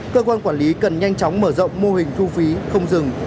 cơ quan quản lý cần nhanh chóng mở rộng mô hình thu phí không dừng